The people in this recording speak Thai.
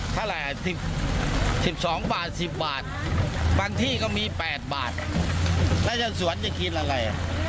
เท่าไหร่๑๒บาท๑๐บาทบางที่ก็มี๘บาทแล้วเจ้าสวนจะกินอะไร